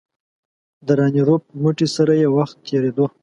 د راني روپ متي سره یې وخت تېرېدو.